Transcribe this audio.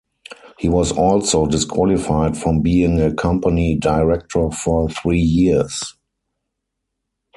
He was also disqualified from being a company director for three years.